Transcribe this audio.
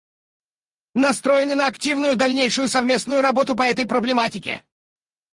Настроены на активную дальнейшую совместную работу по этой проблематике.